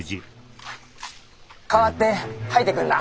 代わって掃いてくんな。